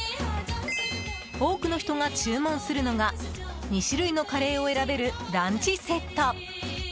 多くの人が注文するのが２種類のカレーを選べるランチセット。